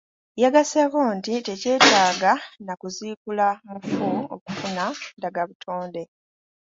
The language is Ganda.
Yagasseeko nti tekyetaaga na kuziikula mufu okufuna ndagabutonde.